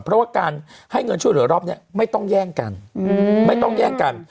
เพราะว่าการให้เงินช่วยเหลือรอบนี้ไม่ต้องแย่งกันไม่ต้องแย่งกัน